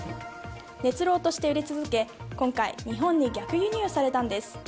熱浪として売れ続け今回、日本に逆輸入されたんです。